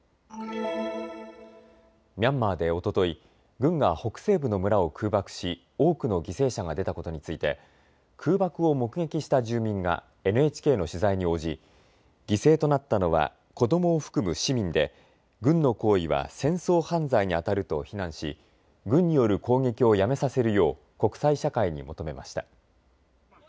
ミャンマーでおととい軍が北西部の村を空爆し、多くの犠牲者が出たことについて空爆を目撃した住民がＮＨＫの取材に応じ犠牲となったのは子どもを含む市民で、軍の行為は戦争犯罪にあたると非難し軍による攻撃をやめさせるよう国際社会に求めました。